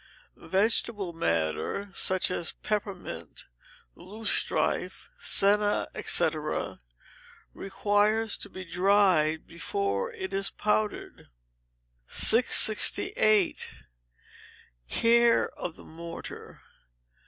Vegetable matter, such as peppermint, loosestrife, senna, &c., requires to be dried before it is powdered. 668. Care of the Mortar.